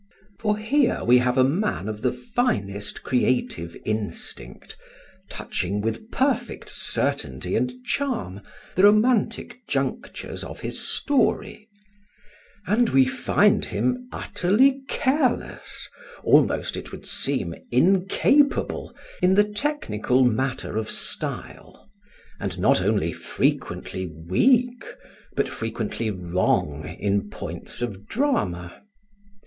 For here we have a man of the finest creative instinct touching with perfect certainty and charm the romantic junctures of his story; and we find him utterly careless, almost, it would seem, incapable, in the technical matter of style, and not only frequently weak, but frequently wrong in points of drama.